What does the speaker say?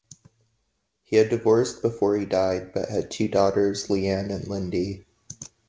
He had divorced before he died, but had two daughters, Leanne and Lindy.